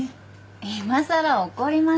いまさら怒りません。